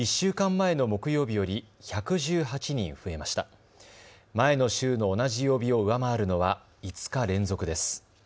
前の週の同じ曜日を上回るのは５日連続です。